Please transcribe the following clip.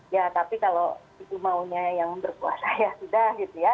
ya tapi kalau itu maunya yang berkuasa ya sudah gitu ya